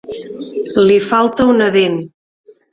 Li falta una dent!